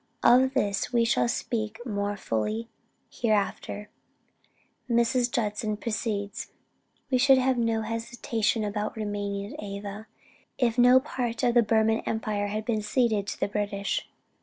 Of this we shall speak more fully hereafter. Mrs. Judson proceeds: "We should have had no hesitation about remaining at Ava, if no part of the Burman empire had been ceded to the British.